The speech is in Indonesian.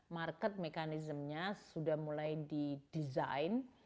market mechanism nya sudah mulai di design